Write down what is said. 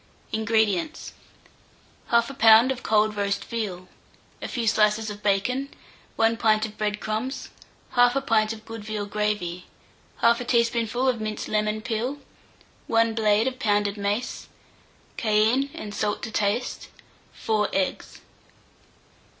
INGREDIENTS. 1/2 lb. of cold roast veal, a few slices of bacon, 1 pint of bread crumbs, 1/2 pint of good veal gravy, 1/2 teaspoonful of minced lemon peel, 1 blade of pounded mace, cayenne and salt to taste, 4 eggs.